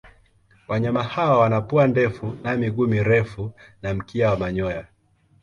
Wanyama hawa wana pua ndefu na miguu mirefu na mkia wa manyoya.